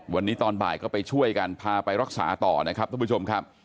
วันนี้ตอนบ่ายก็ไปช่วยกันพาไปรักษาต่อนะครับทุกผู้ชมครับ